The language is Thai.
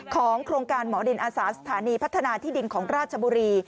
ของโครงการหมอดินอาสาสถานีพัฒนาที่ดินของราชบุรี